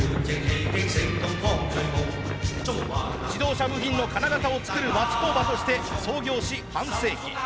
自動車部品の金型を作る町工場として創業し半世紀。